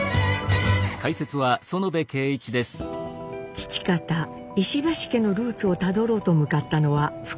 父方石橋家のルーツをたどろうと向かったのは福岡県。